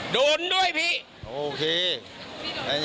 ดูดไปด้วย